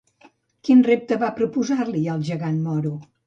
Quin repte va proposar-li al gegant moro?